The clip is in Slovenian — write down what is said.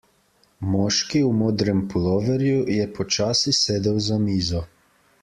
Moški v modrem puloverju je počasi sedel za mizo.